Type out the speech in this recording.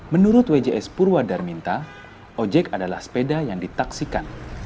menurut wjs purwadarminta ojek adalah sepeda yang ditaksikan